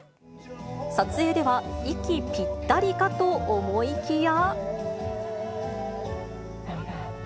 撮影では、息ぴったりかと思いきや。